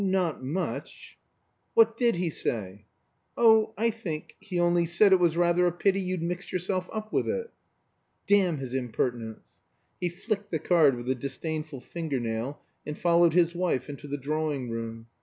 Not much." "What did he say!" "Oh I think he only said it was rather a pity you'd mixed yourself up with it." "Damn his impertinence!" He flicked the card with a disdainful fingernail and followed his wife into the drawing room.